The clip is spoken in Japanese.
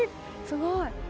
すごい。